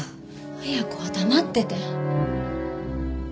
恵子は黙ってて。